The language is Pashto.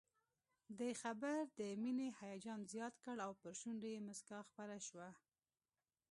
دې خبر د مينې هيجان زيات کړ او پر شونډو يې مسکا خپره شوه